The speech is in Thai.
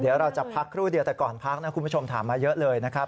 เดี๋ยวเราจะพักครู่เดียวแต่ก่อนพักนะคุณผู้ชมถามมาเยอะเลยนะครับ